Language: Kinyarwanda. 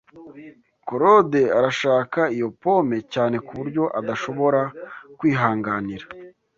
Claude arashaka iyo pome cyane kuburyo adashobora kwihanganira.